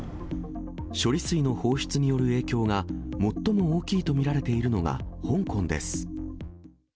処理水の放出による影響が最も大きいと見られているのが、香港です。